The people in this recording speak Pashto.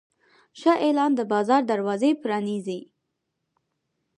ښه اعلان د بازار دروازې پرانیزي.